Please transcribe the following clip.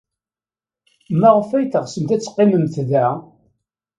Maɣef ay teɣsemt ad teqqimemt da?